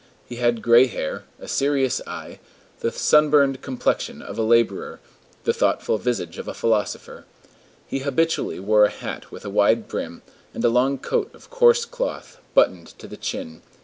He had gray hair, a serious eye, the sunburned complexion of a laborer, the thoughtful visage of a philosopher. He habitually wore a hat with a wide brim, and a long coat of coarse cloth, buttoned to the chin.